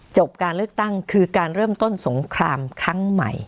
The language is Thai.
การเลือกตั้งคือการเริ่มต้นสงครามครั้งใหม่